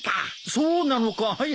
そうなのかい？